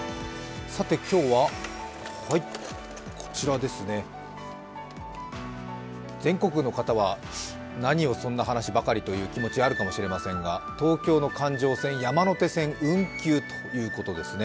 さて今日は、全国の方は何をそんな話ばかりという気持ち、あるかもしれませんが、東京の環状線、山手線運休ということですね。